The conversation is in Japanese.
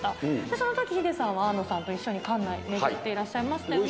その時ヒデさんは庵野さんと一緒に館内巡っていらっしゃいましたよね。